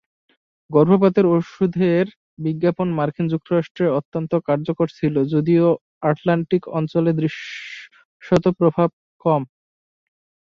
গর্ভপাতের ঔষধের বিজ্ঞাপন মার্কিন যুক্তরাষ্ট্রে অত্যন্ত কার্যকর ছিল, যদিও আটলান্টিক অঞ্চলে দৃশ্যত প্রভাব কম।